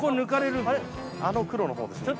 あの黒の方ですね。